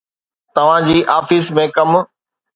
توهان جي آفيس ۾ ڪم.